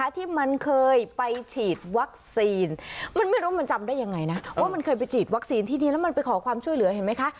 ที่มันเคยไปจีบวัคซีนแล้วมันไปขอความช่วยเหลือ